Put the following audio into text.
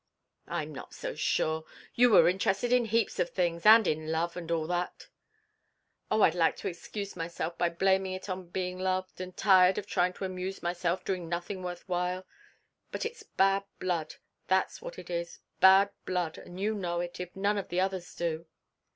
"I'm not so sure. You were interested in heaps of things, and in love, and all that " "Oh, I'd like to excuse myself by blaming it on being bored, and tired of trying to amuse myself doing nothing worth while, but it's bad blood, that's what it is, bad blood, and you know it, if none of the others do."